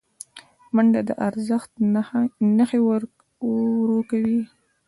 منډه د زړښت نښې ورو کوي